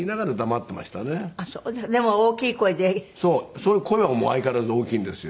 そういう声は相変わらず大きいんですよ。